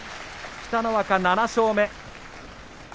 北の若、７勝目。